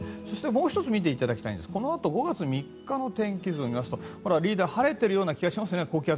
もう１つ見ていただきたいんですが５月３日の天気図を見ますとまだ晴れてるような気がします。